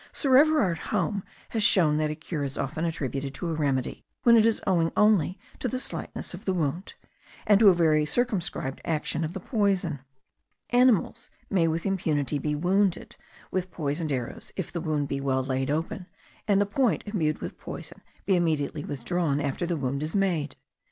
Sir Everard Home has shown that a cure is often attributed to a remedy, when it is owing only to the slightness of the wound, and to a very circumscribed action of the poison. Animals may with impunity be wounded with poisoned arrows, if the wound be well laid open, and the point imbued with poison be withdrawn immediately after the wound is made.